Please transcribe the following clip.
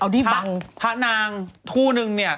ถ้านางทู่หนึ่งเนี่ย